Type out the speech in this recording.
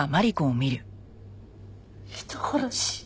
人殺し。